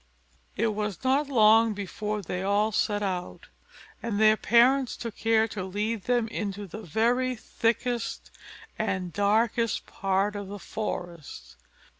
It was not long before they all set out, and their parents took care to lead them into the very thickest and darkest part of the forest.